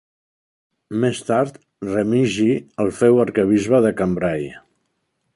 Més tard, Remigi el féu arquebisbe de Cambrai.